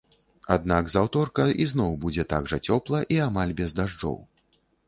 Аднак з аўторка ізноў будзе так жа цёпла і амаль без дажджоў.